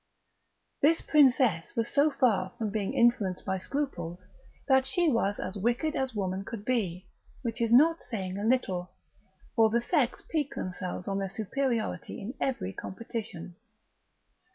This princess was so far from being influenced by scruples that she was as wicked as woman could be, which is not saying a little, for the sex pique themselves on their superiority in every competition.